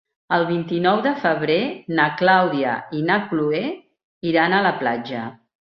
El vint-i-nou de febrer na Clàudia i na Cloè iran a la platja.